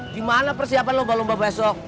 gimana persiapan lo mbak lomba besok